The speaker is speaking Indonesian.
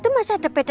ini kalau aa